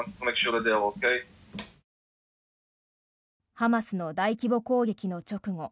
ハマスの大規模攻撃の直後